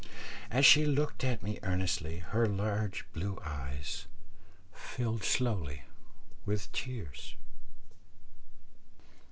As she looked at me earnestly, her large blue eyes filled slowly with tears.